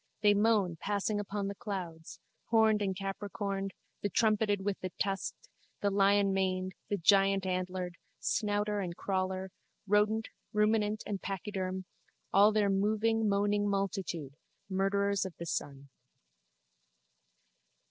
They moan, passing upon the clouds, horned and capricorned, the trumpeted with the tusked, the lionmaned, the giantantlered, snouter and crawler, rodent, ruminant and pachyderm, all their moving moaning multitude, murderers of the sun.